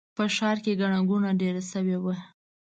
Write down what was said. په ښار کې ګڼه ګوڼه ډېره شوې وه.